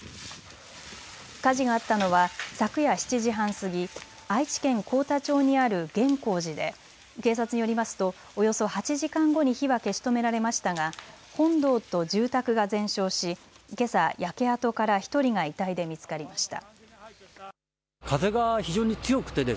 火事があったのは昨夜７時半過ぎ、愛知県幸田町にある玄好寺で警察によりますとおよそ８時間後に火は消し止められましたが本堂と住宅が全焼し、けさ焼け跡から１人が遺体で見つかりました。